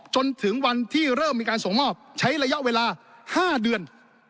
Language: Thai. จนถึงวันที่เริ่มมีการส่งมอบใช้ระยะเวลา๕เดือน